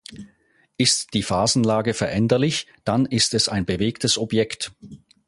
Ist die Phasenlage veränderlich, dann ist es ein bewegtes Objekt.